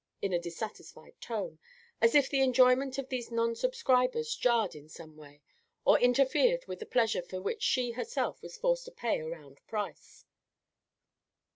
in a dissatisfied tone, as if the enjoyment of these non subscribers jarred in some way, or interfered with the pleasure for which she herself was forced to pay a round price.